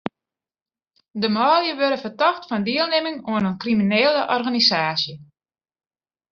De manlju wurde fertocht fan dielnimming oan in kriminele organisaasje.